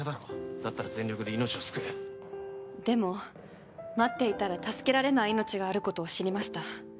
だったら全力で命を救えでも待っていたら助けられない命があることを知りました